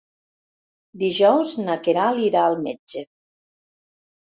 Dijous na Queralt irà al metge.